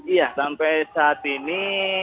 iya sampai saat ini